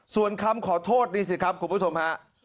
ส่วนคำขอโทษนี่สิครับคุณผู้ชมฮะ